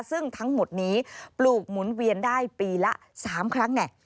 ซึ่งทั้งหมดนี้ปลูกหมุนเวียนได้ปีละ๓ครั้งเนี่ย